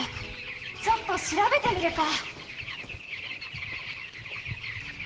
ちょっとしらべてみるか！